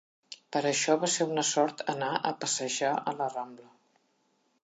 Per això va ser una sort anar a passejar a la Rambla.